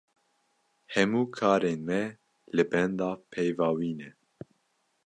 Hemû karên me li benda peyva wî ne.